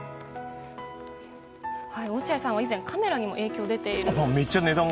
落合さんは以前カメラにも影響が出ていると。